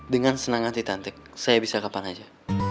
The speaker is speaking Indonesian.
dengan senang hati tante saya bisa kapan aja